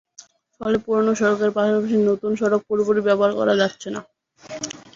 ফলে পুরোনো সড়কের পাশাপাশি নতুন সড়ক পুরোপুরি ব্যবহার করা যাচ্ছে না।